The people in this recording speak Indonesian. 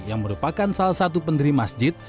yang merupakan salah satu pendiri masjid